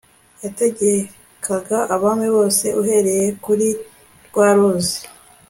yategekaga abami bose uhereye kuri rwa ruzi